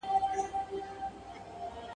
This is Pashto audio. چي ملا وايي، هغه کوه، چي ملا ئې کوي، هغه مه کوه.